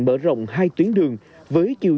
mở rộng hai tuyến đường với chiều